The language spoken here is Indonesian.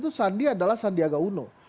itu sandi adalah sandiaga uno